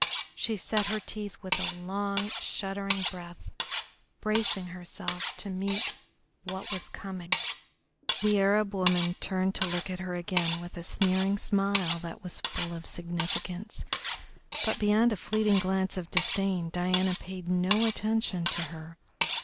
She set her teeth with a long, shuddering breath, bracing herself to meet what was coming. The Arab woman turned to look at her again with a sneering smile that was full of significance, but beyond a fleeting glance of disdain Diana paid no attention to her.